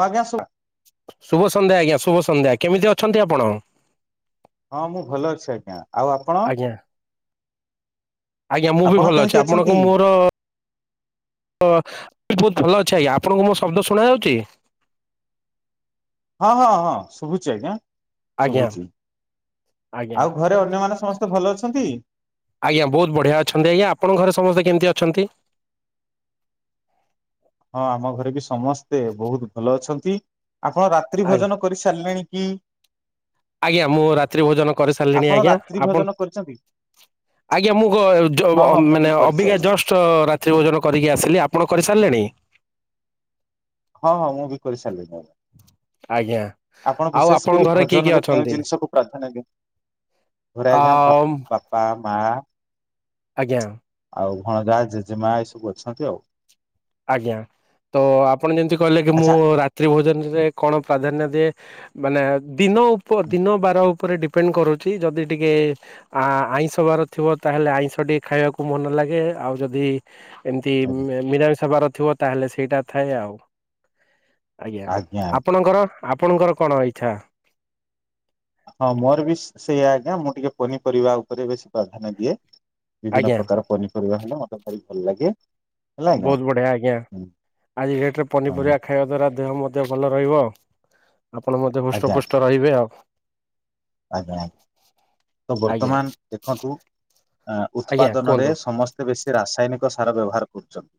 ହଁ ଆଜ୍ଞା ଶୁ -ଲା ଶୁଭ ସନ୍ଧ୍ୟା ଆଜ୍ଞା ଶୁଭ ସନ୍ଧ୍ୟା କେମିତି ଅଛନ୍ତି ଆପଣ? ହଁ ମୁଁ ଭଲ ଅଛି ଆଜ୍ଞା। ଆଉ ଆପଣ ଆଜ୍ଞା ଆଜ୍ଞା ମୁଁ ବି ଆପଣ ଭଲ ଅଛି କେମିତି ଅଛନ୍ତି? ଆପଣଙ୍କୁ ମୋର [inaudible] ଭଲ ଅଛି ଆଜ୍ଞା ଆପଣଙ୍କୁ ମୋ ଶବ୍ଦ ଶୁଣା ଯାଉଛି? ହଁ ହଁ ହଁ ଶୁଭୁଛି ଆଜ୍ଞା। ଆଜ୍ଞା ଶୁଭୁଛି ଆଜ୍ଞା ଆଉ ଘରେ ଅନ୍ୟମାନେ ସମସ୍ତେ ଭଲ ଅଛନ୍ତି? ଆଜ୍ଞା ବହୁତ ବଢିଆ ଅଛନ୍ତି ଆଜ୍ଞା ଆପଣଙ୍କ ଘରେ ସମସ୍ତେ କେମିତି ଅ ଛନ୍ତି ହଁ ଆମ ଘରେ ବି ସ ସମସ୍ତେ ବହୁତ ଭଲ ଅଛ ନ୍ତି। ଆପଣ ରାତ୍ରି ଆଜ୍ଞା ଭୋଜନ କରିସାରିଲେଣି? ହୁଁ। ଆଜ୍ଞା ମୁଁ ରାତ୍ରି ଭୋଜନ କରିସାରିଲିଣି ଆପଣ ଆଜ୍ଞା ରାତ୍ରି ।ଆପଣ ଭୋଜନ କରିଛନ୍ତି? ଆଜ୍ଞା ମୁଁ ଗ ଜ ହଁ ହଁ ମୁଁ ବି ମାନେ କରିଛି ଅବିକା ଆଜ୍ଞା ଜଷ୍ଟ ରାତ୍ରି ଭୋଜନ କରିକି ଆସିଲି। ଆପଣ କରିସାରିଲେଣି? ହଁ ହଁ ମୁଁ ବି କରିସାରିଲେଣି ଆଜ୍ଞା।। ଆପଣ ଆଉ ବିଶେଷ ଆପଣଙ୍କ କରି ଘରେ କିଏ କିଏ ଭୋଜନରେ କେଉଁ ଅଛନ୍ତି? ଜିନିଷକୁ ପ୍ରାଧାନ୍ୟ ଦିଅ। ଘରେ ଆ ଆଜ୍ଞା ବାପା ମାଆ ଆଜ୍ଞା। ଆଉ ଭଣଜା, ଜେଜେମାଆ ଏଇ ସବୁ ଅଛନ୍ତି ଆଉ। ଆଜ୍ଞା ତ ଆପଣ ଯେମିତି କହିଲେ କି ମୁଁ ଆଚ୍ଛା ରାତ୍ରି ଭୋଜନରେ କଣ ପ୍ରାଧାନ୍ୟ ଦିଏ ମାନେ ଦିନ ଉପ ଦିନ ବାର ଉପରେ ଡିପେଣ୍ଡ କରୁଛି ଯଦି ଟିକେ ଆଇଁଷ ବାର ଥିବ ତାହେଲେ ଆଇଁଷ ଟିକେ ଖାଇବାକୁ ମନ ଲାଗେ ଆଉ ଯଦି ଏମିତି ଆଜ୍ଞା ମି ସେବାର ଥିବ ତାହେଲେ ସେଇଟା ଥାଏ ଆଉ। ଆଜ୍ଞା ଆପଣଙ୍କର? ଆପଣଙ୍କର କଣ ଇଚ୍ଛା? ହଁ ମୋର ବି ସେଇା ଆଜ୍ଞା ମୁଁ ଟିକେ ପନିପରିବା ଉପରେ ବେଶୀ ପ୍ରାଧାନ୍ୟ ଦିଏ। ବିଭିନ୍ନ ଆଜ୍ଞା ପ୍ରକାର ପନିପରିବା ହେଲେ ମତେ ଭଲ ଲାଗେ। ହେଲା ଆଜ୍ଞା ବହୁତ ବଢିଆ ଆଜ୍ଞା ହୁଁ ଆଜି ଡେଟରେ ହଁ ପନିପରିବା ଖାଇବା ଦ୍ଵାରା ଦେହ ମତେ ଏତେ ଭଲ ରହିବ। ଆପଣ ମତେ ହୃଷ୍ଟପୃଷ୍ଟ ରହିବେ ଆଉ। ଆଜ୍ଞା ଆଜ୍ଞା ତ ଆଜ୍ଞା ବର୍ତ୍ତମାନ ଦେଖନ୍ତୁ ଆଜ୍ଞା ଉତ୍ପାଦନରେ କୁହନ୍ତୁ ସମସ୍ତେ ବେଶୀ ରାସାୟନିକ ସାର ବ୍ୟବହାର କରୁଛନ୍ତି।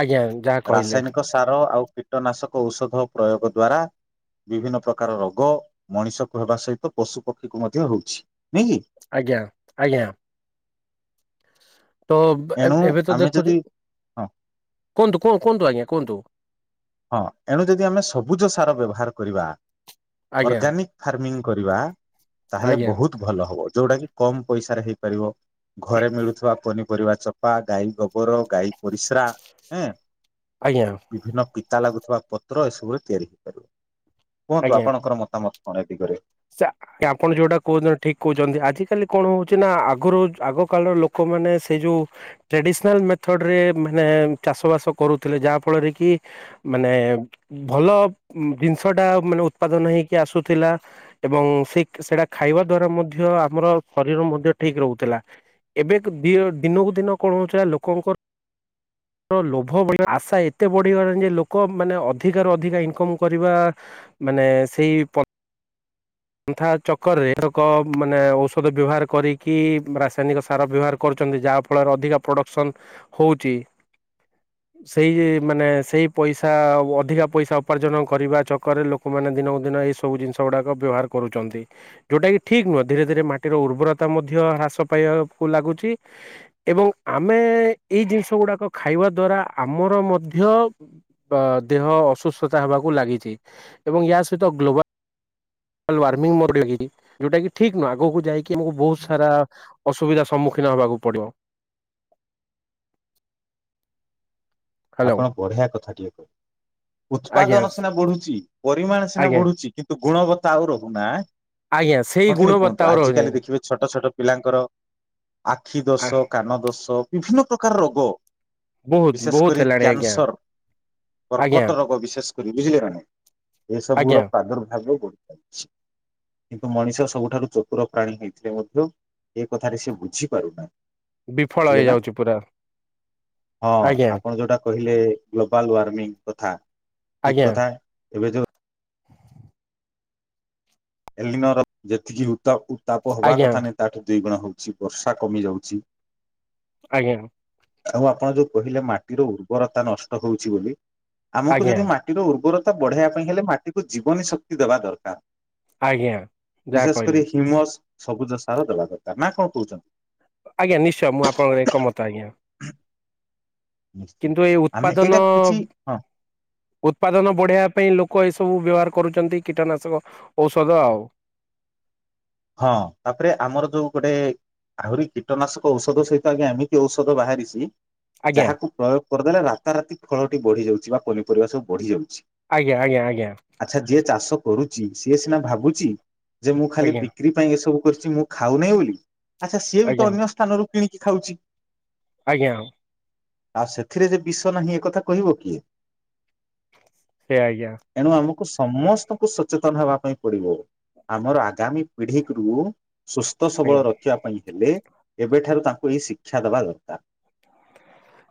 ଆଜ୍ଞା ଯାହା କହିଲେ। ରାସାୟନିକ ସାର ଆଉ କୀଟନାଶକ ଔଷଧ ପ୍ରୟୋଗ ଦ୍ଵାରା ବିଭିନ୍ନ ପ୍ରକାର ରୋଗ ମଣିଷକୁ ହେବା ସହିତ ତ ପଶୁ ପକ୍ଷୀ କ ମଧ୍ୟ ହଉଛି। ନାଇଁ କି ଆଜ୍ଞା ଆଜ୍ଞା। ତ ଏଣୁ ଏବେ ତ ଆମେ ଦେଖୁଛୁ ଯଦି ହଁ କୁହନ୍ତୁ କୁହନ୍ତୁ ଆଜ୍ଞା କୁହନ୍ତୁ? ହଁ ଏଣୁ ଯଦି ଆମେ ସବୁଜ ସାର ବ୍ୟବହାର କରିବା ଆଜ୍ଞା ଅର୍ଗାନିକ ଫାର୍ମିଂ କରିବା। ତାହେଲେ ଆଜ୍ଞା ବହୁତ ଭଲ ହବ। ଯୋଉଟା କି କମ ପଇସାରେ ହେଇପାରିବ ଘରେ ମିଳୁଥିବା ପନିପରିବା ଚୋପା ଗାଈ ଗୋବର ଗାଈ ପରିସ୍ରା ଆଜ୍ଞା। ବିଭିନ୍ନ ପିତା ଲାଗୁଥିବା ପତ୍ର ଏସବୁରେ ତିଆରି ହେଇପାରିବ। କୁହନ୍ତୁ ଆଜ୍ଞା। ଆପଣଙ୍କର ମତାମତ। ଅନେକ ଦିଗରେ ଆପଣ ଯୋଉଟା କହୁଛନ୍ତି ଠିକ କହୁଛନ୍ତି ।ଆଜ କାଲି କଣ ହଉଛି ନା ଆଗରୁ ଆଗ କାଳର ଲୋକମାନେ ସେଇ ଯୋଉ ଟ୍ରାଡିସନାଲ ମେଥଡ ରେ ମାନେ ଚାଷ ବାସ କରୁଥିଲେ ଯାହା ଫଳରେ କି ମାନେ ଭଲ ଜିନିଷ ଟା ମାନେ ଉତ୍ପାଦନ ହେଇକି ଆସୁଥିଲା। ଏବଂ ସେ ସେଇଟା ଖାଇବା ଦ୍ଵାରା ମଧ୍ୟ ଆମର ଶରୀର ମଧ୍ୟ ଠିକ ରହୁଥିଲା। ଏବେ ଦିନକୁ ଦିନ କଣ ହେଉଥିଲା ଲୋକଙ୍କର ଲୋଭ ଆଶା ଏତେ ବଢ଼ିଗଲାଣି ଯେ ଲୋକ ମାନେ ଅଧିକାରୁ ଅଧିକା ଇନକମ୍ କରିବା ମାନେ ସେଇ ପନ୍ଥା ଚକରରେ ଲୋକ ମାନେ ଔଷଧ ବ୍ୟବହାର କରିକି ରାସାୟନିକ ସାର ବ୍ୟବହାର କରୁଛନ୍ତି ଯାହା ଫଳରେ ଅଧିକା ପ୍ରଡ଼କ୍ସନ୍ ହଉଛି ସେଇ ମାନେ ସେଇ ପଇସା ଅଧିକା ପଇସା ଉପାର୍ଜନ କରିବା ଚକରରେ ଲୋକମାନେ ଦିନକୁ ଦିନ ଏଇସବୁ ଜିନିଷ ଗୁଡ଼ାକ ବ୍ୟବହାର କରୁଛନ୍ତି। ଯେଉଁଟାକି ଠିକ ନୁହେଁ ଧୀରେ ଧୀରେ ମାଟିର ଉର୍ବରତା ମଧ୍ୟ ହ୍ରାସ ପାଇବାକୁ ଲାଗୁଛି ଏବଂ ଆମେ ଏଇ ଜିନିଷ ଗୁଡ଼ାକ ଖାଇବା ଦ୍ଵାରା ଆମର ମଧ୍ୟ ଦେହ ଅସୁସ୍ଥତା ହେବାକୁ ଲାଗିଛି ।ଏବଂ ୟ ସହିତ ଗ୍ଲୋବଵାଲ ୱାର୍ମିଂ [inaudible] ଯୋଉଟା କିଠିକ୍ ନୁହଁ ଆଗକୁ ଯାଇକି ଆମକୁ ବହୁତ ସାରା ଅସୁବିଧା ସମ୍ମୁଖୀନ ହେବାକୁ ପଡିବ। ହ୍ୟାଲୋ ଆପଣ ବଢିଆ କଥା ଟିକେ କହିଲେ। ଆଜ୍ଞା ଉତ୍ପାଦନ ସିନା ବଢୁଛି ପରିମାଣ ସିନା ଆଜ୍ଞା ବଢୁଛି କିନ୍ତୁ ଗୁଣବତା ଆଉ ରହୁନାହିଁ। ଆଜ୍ଞା ସେଇ ଗୁଣବତ୍ତା ଆଉ ରହୁନି। ଦେଖିବେ ଛୋଟ ଛୋଟ ପିଲାଙ୍କର ଆଖି ଆ ଦୋଷ କାନ ଦୋଷ ବିଭିନ୍ନ ପ୍ରକାରର ରୋଗ। ବୋହୁତ ବିଶେଷ କରି ବୋହୁତ ହେଲା କ୍ୟାନସର, କର୍କଟ ରୋଗ ବିଶେଷ କରି ବୁଝିଲେନା ଆଜ୍ଞା ଏସବୁର ପ୍ରାଦୁର୍ଭାବ ବ କିନ୍ତୁ ମଣିଷ ସବୁଠାରୁ ଚତୁର ପ୍ରାଣୀ ହେଇଥିଲେ ମଧ୍ୟ ଏ କଥାରେ ସେ ବୁଝିପାରୁନାହିଁ। ବିଫଳ ହେଇଯାଉଛି ପୁରା ହଁ ଆଜ୍ଞା। ଆପଣ ଯୋଉଟା କହିଲେ ଗ୍ଲୋବାଲ ୱାର୍ମିଂ କଥା ଠିକ ଆଜ୍ଞା କଥା ଏବେ ଯୋଉ ଏଲିନର ଯେତିକି ଉତା ତାପ ହବା ଆଜ୍ଞା କଥା ନାଇଁ ତାଠୁ ଦି ଗୁଣ ହୋଉଛି। ଛି ବର୍ଷା କମି ଯାଉଛି। ଆଜ୍ଞା। ଆଉ ଆପଣ ଯୋଉ କହିଲେ ମାଟିର ଉର୍ବରତା ନଷ୍ଟ ହୋଉଛି ବୋଲି। ଆମକୁ ଆଜ୍ଞା ଯଦି ମାଟିର ଉର୍ବର ତ ବଢେଇବା ପାଇଁ ହେଲେ ମାଟିକୁ ଜୀବନୀ ଶକ୍ତି ଦେବା ଦରକାର। ଆଜ୍ଞା ଯାହା ବିଶେଷ କହିଲେ କରି ହିମସ ସବୁଜ ସାର ଦେବା ଦରକାର ନା କଣ କହୁଚନ୍ତି। ଆଜ୍ଞା ନିଶ୍ଚୟ ମୁଁ ଆପଣଙ୍କର ଏକମତ ଆଜ୍ଞା। [unintelligible] ନିଶ୍ଚୟ କିନ୍ତୁ ଏଇ ଆମେ ଏଇଟା ଉତ୍ପାଦନ କିଛି ଉତ୍ପାଦନ ବଢେଇବା ପାଇଁ ଲୋକ ଏସ ବୁ ବ୍ୟବହାର କରୁଚନ୍ତି କୀଟନାଶକ ଔଷଧ ଆଉ। ହଁ ତାପରେ ଆମର ଯୋଉ ଗୋଟେ ଆହୁରି କୀଟନାଶକ ଔଷଧ ସହିତ ଆଜ୍ଞା ଏମିତି ଔଷଧ ବାହାରିଛି। ଆଜ୍ଞା ଯାହାକୁ ପ୍ରୟୋଗ କରଦେଲେ ରାତା ରାତି ଫଳଟି ବଢି ଯାଉଛି। ବା ପନିପରିବା ସବୁ ବଢିଯାଉ ଆଜ୍ଞା ଆଜ୍ଞା ଆଜ୍ଞା। ଚାଷ କରୁଛି ସିଏ ସିନା ଭାବୁଛି। ଯେ ମୁଁ ଖାଲି ପିକ ପାଇଁ ଏସବୁ କରିଛି ମୁଁ ଖାଉ ନାହିଁ ବୋଲି। ଆଚ୍ଛା ସିଏ ବି ଆଜ୍ଞା ତ ଅନ୍ୟ ସ୍ଥାନରୁ କିଣିକି ଖାଉଛି। ଆଜ୍ଞା। ଆଉ ସେଥିରେ ଯେ ବିଷ ନାହିଁ ଏକଥା କହିବ କିଏ? ସେଇୟା ଆଜ୍ଞା। ଏଣୁ ଆମକୁ ସମସ୍ତଙ୍କୁ ସଚେତନ ହେବା ପାଇଁ ପଡିବ। ଆମର ଆଗାମୀ ପିଢିକ୍ ରୁ ସୁସ୍ଥ ଆଜ୍ଞା ସବଳ ରଖିବା ପାଇଁ ହେଲେ ଏବେଠାରୁ ତାଙ୍କୁ ଏହି ଶିକ୍ଷା ଦବା ଦରକାର।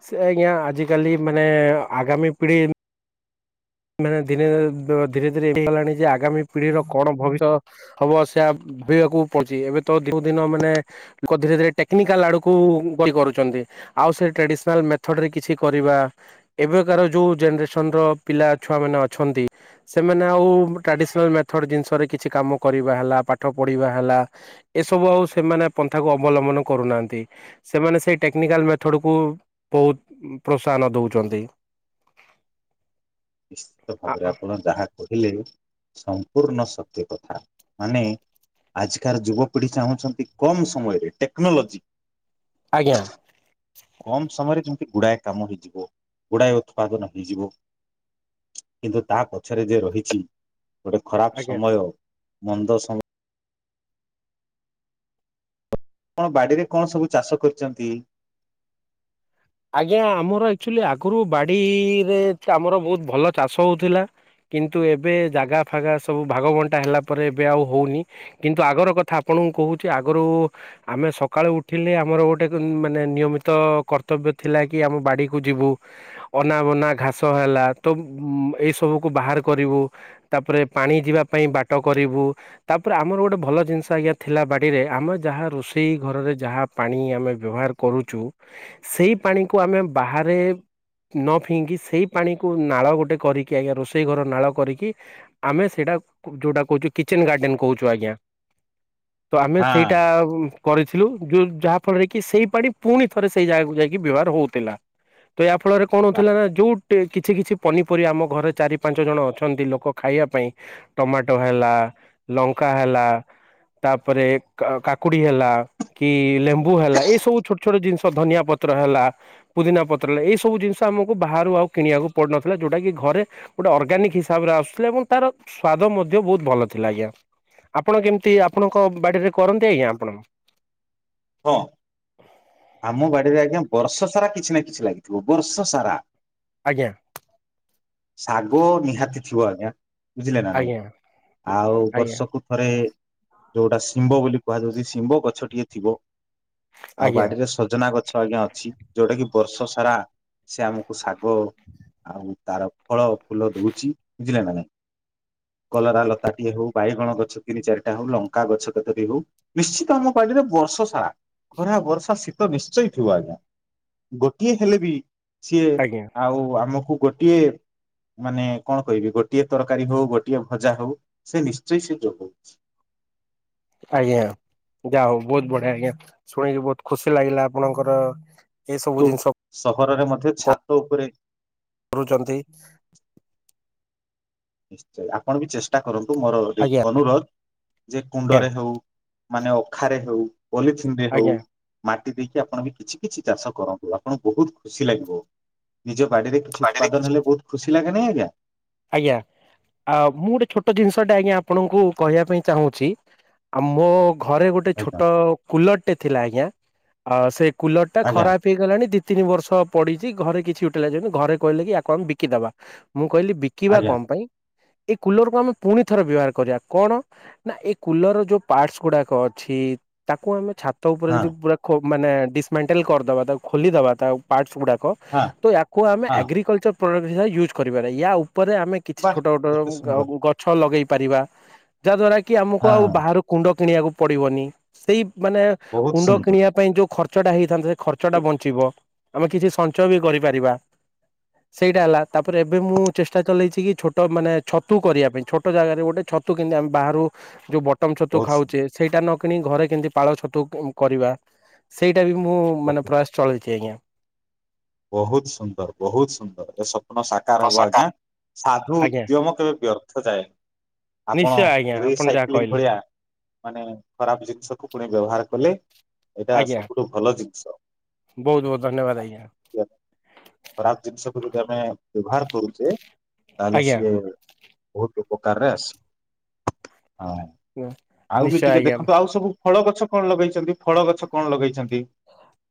ସେ ଆଜ୍ଞା ଆଜିକାଲି ମାନେ ଆଗାମୀ ପିଢି ମାନେ ଦିନେ ଧୀରେ ଧୀରେ ଏ ହେଲାଣି ଯେ ଆଗାମୀ ପିଢିର କଣ ଭବିଷ୍ୟ ହବ ସେୟା ଭାବିବାକୁ ପଡୁଛି। ଏବେ ତ ଦିନକୁ ଦିନ ମାନେ ଲୋକ ଧୀରେ ଧୀରେ ଟେକ୍ନିକାଲ ଆଡକୁ ଗଲ କରୁଛନ୍ତି। ଆଉ ସେ ଟ୍ରାଡିସନାଲ ମେଥଡ୍ ରେ କିଛି କରିବା ଏବେକାର ଯୋଉ ଜେନେରେସନ ର ପିଲା ଛୁଆମାନେ ଅଛନ୍ତି ସେମାନେ ଆଉ ଟ୍ରାଡିସନାଲ୍ ମେଥଡ ଜିନିଷରେ କିଛି କାମ କରିବା ହେଲା ପାଠ ପଢିବା ହେଲା ଏସବୁ ଆଉ ସେମାନେ ପନ୍ଥାକୁ ଅବଲମ୍ବନ କରୁନାହାଁନ୍ତି। ସେମାନେ ସେଇ ଟେକ୍ନିକାଲ୍ ମେଥଡକୁ ବହୁତ ପ୍ରୋତ୍ସାହନ ଦଉଛନ୍ତି। ନିଶ୍ଚିତ ଭାବରେ ଆପଣ ଯାହା କହିଲେ ସମ୍ପୂର୍ଣ୍ଣ ସତ୍ୟ କଥା। ମାନେ ଆଜିକାର ଯୁବପିଢି ଚାହୁଁଛନ୍ତି କମ୍ ସମୟରେ ଟେକ୍ନୋଲୋଜି ଆଜ୍ଞା। କମ୍ ସମୟରେ ଯେଉଁ ଗୁଡାଏ କାମ ହେଇଯିବ। ଗୁଡାଏ ଉତ୍ପାଦନ ହେଇଯିବ। କିନ୍ତୁ ତା ପଛରେ ଯେ ରହିଛି ଗୋଟେ ଖରାପ ଆଜ୍ଞା ସମୟ। ମନ୍ଦ ସମ ଣ ବାଡିରେ କଣ ସବୁ ଚାଷ କରିଚନ୍ତି। ଆଜ୍ଞା ଆମର ଆକ୍ଚୁଆଲି ଆଗରୁ ବାଡିରେ ଆମର ବହୁତ ଭଲ ଚାଷ ହୋଉଥିଲା। କିନ୍ତୁ ଏବେ ଜାଗା ଫାଗା ସବୁ ଭାଗବଣ୍ଟା ହେଲା ପରେ ଏବେ ଆଉ ହୋଉନି। କିନ୍ତୁ ଆଗର କଥା ଆପଣଙ୍କୁ କହୁଚି। ଆଗରୁ ଆମେ ସକାଳୁ ଉଠିଲେ ଆମର ଗୋଟେ ମାନେ ନିୟମିତ କର୍ତ୍ତବ୍ୟ ଥିଲା କି ଆମ ବାଡିକୁ ଯିବୁ। ଅନାବନା ଘାସ ହେଲା ତ ଏଇ ସବୁକୁ ବାହାର କରିବୁ। ତାପରେ ପାଣି ଯିବା ପାଇଁ ବାଟ କରିବୁ। ତାପରେ ଆମର ଗୋଟେ ଭଲ ଜିନିଷ ଆଜ୍ଞା ଥିଲା ବାଡିରେ ଆମେ ଯାହା ରୋଷେଇ ଘରରେ ଯାହା ପାଣି ଆମେ ବ୍ୟବହାର କରୁଚୁ। ସେଇ ପାଣିକୁ ଆମେ ବାହାରେ ନ ଫିଙ୍ଗି ସେଇ ପାଣିକୁ ନାଳ ଗୋଟେ କରିକି ଆଜ୍ଞା ରୋଷେଇ ଘର ନାଳ କରିକି ଆମେ ସେଇଟା ଯୋଉଟା କହୁଚୁ କିଚେନ୍ ଗାର୍ଡେନ୍ କହୁଚୁ ଆଜ୍ଞା। ତ ଆମେ ହଁ ସେଇଟା କରିଥିଲୁ ଯୋଉ ଯାହା ଫଳରେ କି ସେଇ ପାଣି ପୁଣି ଥରେ ସେଇ ଜାଗାକୁ ଯାଇକ୍ ବ୍ୟବହାର ହୋଉଥିଲା। ତ ୟା ପ୍ ଫଳରେ କଣ ବା ହେଉଥିଲା ନା ଯୋଉ କେ କିଛି କିଛି ପନିପରିବା ଆମ ଘରେ ଚାରି ପାଞ୍ଚ ଜଣ ଅଛନ୍ତି ଲୋକ ଖାଇବା ପାଇଁ। ଟମାଟୋ ହେଲା ଲଙ୍କା ହେଲା ତାପରେ କ କାକୁଡି ହେଲା କି ଲେମ୍ବୁ ହେଲା ଏସବୁ ଛୋଟ୍ ଛୋଟ୍ ଜିନିଷ ଧନିଆ ପତ୍ ତ୍ର ହେଲା ପୁଦିନା ପତ୍ର ଏଇ ସବୁ ଜିନିଷ ଆମକୁ ବାହାରୁ ଆଉ କିଣିବାକୁ ପଡୁନଥିଲା। ଯୋଉଟା କି ଘରେ ଗୋଟେ ଅର୍ଗାନିକ୍ ହିସାବରେ ଆସୁଥିଲା ଏବଂ ତାର ସ୍ଵାଦ ମଧ୍ୟ ବହୁତ ଭଲ ଥିଲା ଆଜ୍ଞା। ଆପଣ କେମିତି ଆପଣଙ୍କ ବାଡିରେ କରନ୍ତି ଆଜ୍ଞା ଆପଣ। ହଁ ଆମ ବାଡିରେ ଆଜ୍ଞା ବର୍ଷ ସାରା କିଛି ନା କିଛି ଲାଗିଥିବ ବର୍ଷ ସାରା। ଆଜ୍ଞା। ଶାଗ ନିହାତି ଥିବ ଆଜ୍ଞା। ବୁଝିଲେ ନା ନାଇଁ, ଆଜ୍ଞା ଆଉ ଆଜ୍ଞା ବର୍ଷକୁ ଥରେ ଯୋଉଟା ଶିମ୍ବ ବୋଲି କୁହାଯାଉଚି ।ଶିମ୍ବ ଗଛଟିଏ ଥିବ ଆଉ ଆଜ୍ଞା ବାଡ଼ିରେ ସଜନା ଗ ଛ ଏଇନା ଅଛି। ଯୋଉଟା କିି ବର୍ଷ ସାରା ସେ ଆମକୁ ଶାଗ ଆଉ ତାର ଫଳ ଫୁଲ ଦୋଉଚି ବୁଝିଲେ ନା ନାଇଁ, କଲରା ଲତାଟିଏ ହୋଉ ବାଇଗଣ ଗଛ ତିନି ଚାରିଟା ହୋଉ ଲଙ୍କା ଗଛ କେତଟି ହୋଉ ନିଶ୍ଚିତ ଆମ ବାଡ଼ିରେ ବର୍ଷ ସାରା ଖରା ବର୍ଷା ଶୀତ ନିଶ୍ଚୟ ଥିବ ଆଜ୍ଞା। ଗୋଟିଏ ହେଲେ ବି ସିଏ ଆଜ୍ଞା ଆଉ ଆମକୁ ଗୋଟିଏ ମାନେ କଣ କହିବି ଗୋଟିଏ ତରକାରୀ ହୋଉ ଗୋଟିଏ ଭଜା ହୋଉ ସେ ନିଶ୍ଚୟ ସେ ଯୋଗୋଉଚି। ଆଜ୍ଞା ଯା ହୋଉ ବହୁତ ବଢ଼ିଆ ଆଜ୍ଞା। ଶୁଣିକି ବୋହୁତ ଖୁସି ଲାଗିଲା ଆପଣଙ୍କର ଏ ସବୁ କିନ୍ତୁ ଜିନିଷ ସହରରେ ମଧ୍ୟ ଛାତ ଉପରେ କରୁଛନ୍ତି ନିଶ୍ଚୟ ଆପଣ ବି ଚେଷ୍ଟା କରନ୍ତୁ କିନ୍ତୁ ମୋର ଗୋଟି ଆଜ୍ଞା ଅନୁରୋଧ ଯେ ଆଜ୍ଞା କୁଣ୍ଡରେ ହେଉ ମାନେ ଅଖାରେ ହେଉ ପଲିଥିନ ରେ ହେଉ ଆଜ୍ଞା। ମା ମାଟି ଦେଇକି ଆପଣ ବି କିଛି କିଛି ଚାଷ କରନ୍ତୁ। ଆପଣ ବହୁତ ଖୁସି ଲାଗିବ ନିଜ ବାଡିରେ କିଛି ଉତ୍ପାଦନ ହେଲେ ବହୁତ ଖୁସି ଖୁସି ଲାଗେନି ଆଜ୍ଞା। ଆଜ୍ଞା ଆ ମୁଁ ଗୋଟେ ଛୋଟ ଜିନିଷ ଟା ଆଜ୍ଞା ଆପଣଙ୍କୁ କହିବା ପାଇଁ ଚାହୁଁଛି ଆମ ଘରେ ଗୋଟେ ଆଜ୍ଞା ଛୋଟ କୁଲର ଗୋଟେ ଥିଲା ଆଜ୍ଞା ଅ ସେ କୁଲର ଟା ଆଜ୍ଞା ଖରାପ ହେଇଗଲାଣି ଦି ତିନି ବର୍ଷ ପଡିଛି ଘରେ କିଛି ୟୁଟିଲାଇଜ ହଉନି ଘରେ କହିଲେ କି ୟାକୁ ଆମେ ବିକିଦବା ମୁଁ କହିଲି ବିକିିବା ଆଜ୍ଞା କଣ ପାଇଁ? ଏଇ କୁଲରକୁୁ ଆମେ ପୁଣି ଥରେ ବ୍ୟବହାର କରିବା। କଣ ନା ଏଇ କୁଲର ଯୋଉ ପାର୍ଟସ୍ ଗୁଡାକ ଅଛି ତାକୁ ଆମେ ଛାତ ଛାତ ଉପରେ ହଁ ଯଦି ପୁରା ଖୋ ମାନେ ଡିସମେଣ୍ଟେଲ୍ କରିଦବା ତାକୁ ଖୋଲିଦବା ତା ପାର୍ଟସ୍ ଗୁଡ଼ା କ ହଁ ତ ୟାକୁ ଆମେ ହଁ ଏଗ୍ରିକଲଚର ପ୍ରଡ଼କ୍ଟ ହିସାବରେ ୟୁଜ୍ କରିବାରେ ୟା ଉପରେ ଆମେ କିଛି ବା ଛୋଟ କେତେ ସୁନ୍ଦର ଛୋଟ ଗଛ ଲଗେଇ ପାରିବା ଯାହା ଦ୍ଵାରା କି ଆମକୁ ଆଉ ହଁ ବାହାରୁ କୁଣ୍ଡ କିଣିବାକୁ ପଡ଼ିବନି ସେଇ ମାନେ ବହୁତ କୁଣ୍ଡ ସୁନ୍ଦର କିଣିବା ପାଇଁ ଯୋଉ ଖର୍ଚ୍ଚ ଟା ହେଇଥାନ୍ତା ଖର୍ଚ୍ଚ ଟା ବଞ୍ଚିବ ଆମେ କିଛି ସଞ୍ଚୟ ବି କରିପାରିବା ସେଇଟା ହେଲା ତାପରେ ଏବେ ମୁଁ ଚେଷ୍ଟା ଚଲେଇଛି କିଛୋଟ ମାନେ ଛତୁ କରିବା ପାଇଁ ଛୋଟ ଜାଗାରେ ଗୋଟେ ଛତୁ କେମତି ଆମେ ବାହାରୁ କୁ ଯୋଉ ବଟମ ଛତୁ ବହୁତ ସୁନ୍ଦର ଖାଉଛେ ସେଇଟା ନ କିଣି ଘରେ କେମିତି ପାଳ ଛତୁ କରିବା ସେଇ ଏଇଟା ବି ମୁଁ ମାନେ ବହୁତ ପ୍ରୟାସ ଚଳେଇଛି । ବହୁତ ସୁନ୍ଦର ବହୁତ ସୁନ୍ଦର ଏସବୁ ସ୍ୱପ୍ନ ସାକାର ହବ ଆଜ୍ଞା ସାଧୁ ଆଜ୍ଞା ଉଦ୍ୟମ କେବେ ବ୍ୟର୍ଥ ଯାଏନି ଆପଣ ନିଶ୍ଚୟ ଆଜ୍ଞା ଆପଣ ଯାହା ରିସାଇକ୍ଲିଂ କହିଲେ ଭଳିଆ ମାନେ ଖରାପ ଜିନିଷକୁୁ ପୁଣି ବ୍ୟବହାର କଲେ ଏଇଟା ଆଜ୍ଞା ସବୁଠୁ ଭଲ ଜିନିଷ ଆ ବହୁତ ବହୁତ ଧନ୍ୟବାଦ ଅଜ୍ଞା। ଖରାପ ଜିନିଷକୁ ଯଦି ଆମେ ବ୍ୟବହାର କରୁଚେ। ତାହଲେ ଆଜ୍ଞା। ସେ ବହୁତୁ ଉପକାର ସ୍ ହଁ ଆଉ ବି ନିଶ୍ଚୟ ଟିକେ ଆଜ୍ଞା ଦେଖନ୍ତୁ ଆଉ ସବୁ ଫଳ ଗଛ କଣ ଲଗେଇଛନ୍ତି ଫଳ ଗଛ କଣ ଲଗେଇଛନ୍ତି।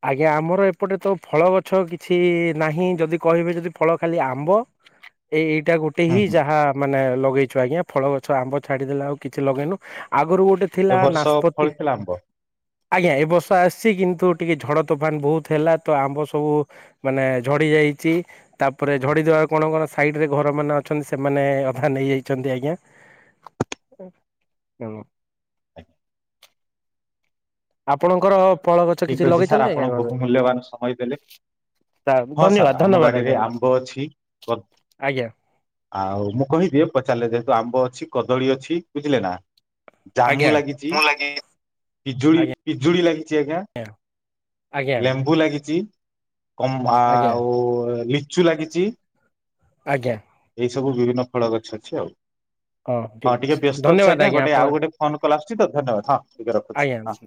ଆଜ୍ଞା ଆମର ଏପଟେ ତ ଫଳ ଗଛ କିଛି ନାହିଁ ଯଦି କହିବେ ଯଦି ଫଳ ଖାଲି ଆମ୍ବ ଏଇଇ ଏଇଟା ଗୋଟେ ହୁଁ ହିଁ ହୁଁ ଯାହା ମାନେ ଲଗେଇଛୁ ଆଜ୍ଞା। ଫଳ ଗଛ ଆମ୍ବ ଛାଡିଦେଲେ ଆଉ କିଛି ଲଗେଇନୁ ଆଉ ଆଗରୁ ଗୋଟେ ଏ ଥିଲା ବର୍ଷ ନାସପତି ଫଳିଥିଲା ଆମ୍ବ ଆଜ୍ଞା ଏ ବର୍ଷ ଆସିଛି କିନ୍ତୁ ଟିକେ ଝଡ ତୋଫାନ ବହୁତ ହେଲା ତ ଆମ୍ବ ସବୁ ମାନେ ଝଡି ଯାଇଛି ତାପରେ ଝଡିଦବା କଣ କଣ ସାଇଡରେ ଘର ମାନ ଅଛନ୍ତି ସେମାନେ ଅଧା ନେଇଯାଇଛନ୍ତି ଆଜ୍ଞା। ଆଜ୍ଞା ଆପଣଙ୍କର ଫଳ ଗଛ କିଛି ଠିକ ଅଛି ସାର୍ ଲଗେଇଛନ୍ତି ଆପଣ ଆଜ୍ଞା ଘରେ? ବହୁ ମୂଲ୍ୟବାନ ସମୟ ଦେଲେ ହଁ ଧନ୍ୟବାଦ ସାର୍ ଆମ ଧନ୍ୟବାଦ ବାଡିରେ ଆଜ୍ଞା ଆମ୍ବ ଅଛି ଆଜ୍ଞା ଆଉ ମୁଁ କହିଦିଏ ପଚାରିଲେ ଯେହେତୁ ଆମ୍ବ ଅଛି କଦଳୀ ଅଛି ବୁଝିଲେ ନା ଜାମୁ ଆଜ୍ଞା। ଲାଗିଛି ମୁଁ ଲାଗି ପିଜୁଳି ଆଜ୍ଞା ପିଜୁଳି ଲାଗିଛି ଆଜ୍ଞା। ଆଜ୍ଞା ଲେମ୍ବୁ ଲାଗିଛି କମ୍ଭ ଆଜ୍ଞା ଆଉ ଲାଗିଛି ଆଜ୍ଞା ସବୁ ବିଭିନ୍ନ ଫଳ ଗଛ ଅଛି ଆଉ। ହଁ ଠିକ ଟିକେ ଅଛି ବ୍ୟସ୍ତ ଅଛି ଧନ୍ୟବାଦ ଆଜ୍ଞା ଗୋଟେ ଆପଣ ଆଉ ଗୋଟେ ଫୋନ କଲ ଆସୁଛି ତ ଧନ୍ୟବାଦ ହଁ ଟିକେ ରଖୁଛି ଆଜ୍ଞା ହଁ।